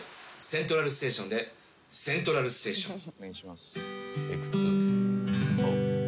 セントラルステーションで『セントラルステーション』。